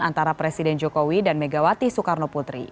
antara presiden jokowi dan megawati soekarnoputri